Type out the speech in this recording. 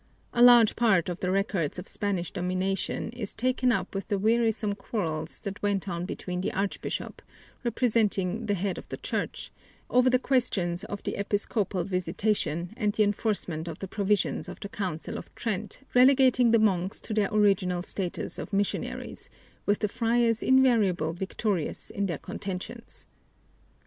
A large part of the records of Spanish domination is taken up with the wearisome quarrels that went on between the Archbishop, representing the head of the Church, and the friar orders, over the questions of the episcopal visitation and the enforcement of the provisions of the Council of Trent relegating the monks to their original status of missionaries, with the friars invariably victorious in their contentions.